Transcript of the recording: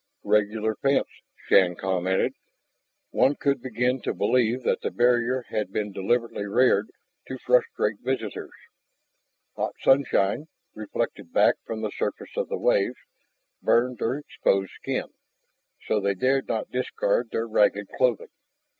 "Regular fence," Shann commented. One could begin to believe that the barrier had been deliberately reared to frustrate visitors. Hot sunshine, reflected back from the surface of the waves, burned their exposed skin, so they dared not discard their ragged clothing.